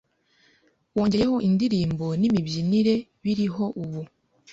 wongeyeho indirimbo nimibyinire biriho ubu